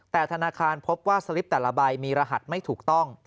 แต่ธนาคารพบว่าสลิปแต่ละใบมีรหัสไม่ถูกต้อง